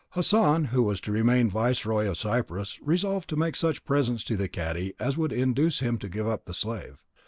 Hassan, who was to remain viceroy of Cyprus, resolved to make such presents to the cadi as would induce him to give up the slave.